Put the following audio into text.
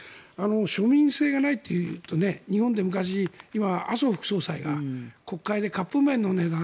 庶民性がないというと日本で昔今、麻生副総裁が国会でカップ麺の値段。